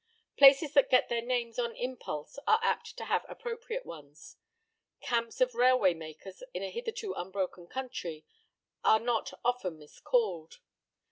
Places that get their names on impulse are apt to have appropriate ones. Camps of railway makers in a hitherto unbroken country are not often miscalled.